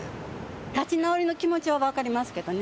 立ち直りの気持ちはわかりますけどね。